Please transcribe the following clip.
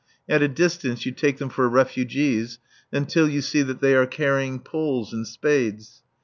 At a distance you take them for refugees, until you see that they are carrying poles and spades.